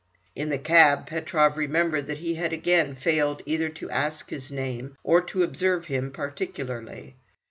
In the cab Petrov remembered that he had again failed either to ask his name, or to observe him particularly.